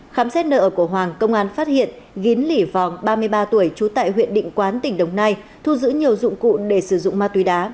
khám xét nợ của hoàng công an phát hiện ghiến lỉ vòng ba mươi ba tuổi chú tại huyện định quán tỉnh đồng nai thu giữ nhiều dụng cụ để sử dụng ma túy đá